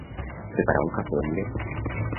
Preparar un cafè amb llet.